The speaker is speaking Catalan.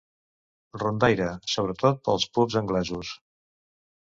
Rondaire, sobretot pels pubs anglesos.